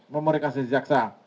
memori kasasi jaksa